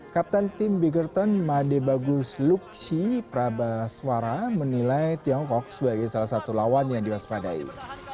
kapten tim biggerton made bagus luxi prabaswara menilai tiongkok sebagai salah satu lawan yang diwaspadai